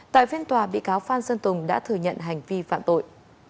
tại phiên tòa bị cáo phan xuân tùng đã thừa nhận hành vi phạm tội